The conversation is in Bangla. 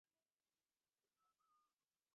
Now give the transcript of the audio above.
আর আমার বাড়ি যেতে হবে।